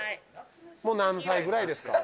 もう何歳ぐらいですか？